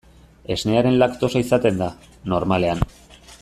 Esnearen laktosa izaten da, normalean.